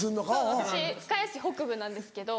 私深谷市北部なんですけど。